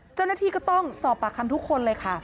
เจ้าหน้าที่ก็ต้องสอบปากคำทุกคนเลยค่ะ